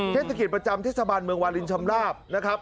เทศกิจประจำเทศบันเมืองวารินชำราบ